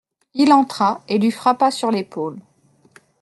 Il entra et lui frappa sur l'épaule.